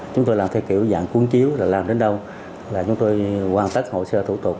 chúng tôi làm theo kiểu dạng cuốn chiếu rồi làm đến đâu là chúng tôi hoàn tất hồ sơ thủ tục